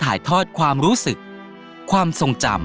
แต่ตอนเด็กก็รู้ว่าคนนี้คือพระเจ้าอยู่บัวของเรา